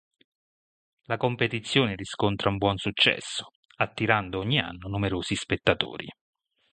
La competizione riscontra un buon successo, attirando ogni anno numerosi spettatori.